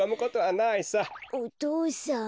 お父さん。